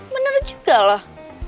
bener juga loh